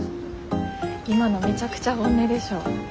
今のめちゃくちゃ本音でしょ？